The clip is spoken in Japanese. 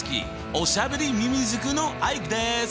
おしゃべりミミズクのアイクです。